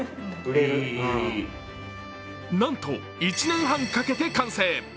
なんと、１年半かけて完成。